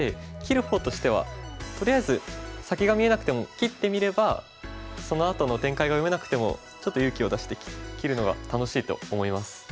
切る方としてはとりあえず先が見えなくても切ってみればそのあとの展開が読めなくてもちょっと勇気を出して切るのが楽しいと思います。